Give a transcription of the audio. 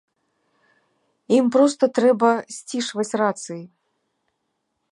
Ім проста трэба сцішваць рацыі.